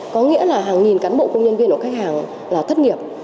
có nghĩa là hàng nghìn cán bộ công nhân viên của khách hàng là thất nghiệp